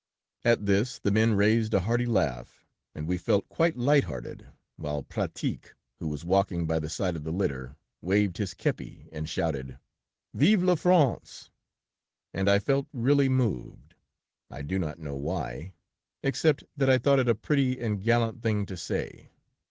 '" "At this, the men raised a hearty laugh, and we felt quite light hearted, while Pratique, who was walking by the side of the litter, waved his kepi, and shouted:" "'Vive la France!' And I felt really moved. I do not know why, except that I thought it a pretty and gallant thing to say."